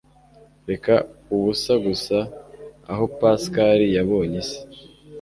reba ubusa gusa aho pascal yabonye isi